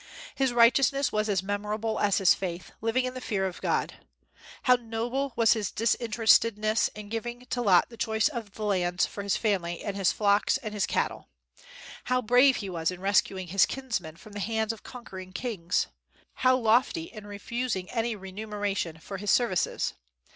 His righteousness was as memorable as his faith, living in the fear of God. How noble was his disinterestedness in giving to Lot the choice of lands for his family and his flocks and his cattle! How brave was he in rescuing his kinsman from the hands of conquering kings! How lofty in refusing any remuneration for his services!